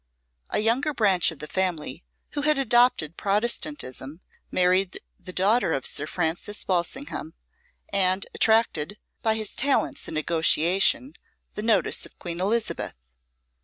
A younger branch of the family, who had adopted Protestantism, married the daughter of Sir Francis Walsingham, and attracted, by his talents in negotiation, the notice of Queen Elizabeth.